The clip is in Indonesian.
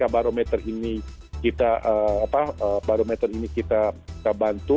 barometer ini kita bantu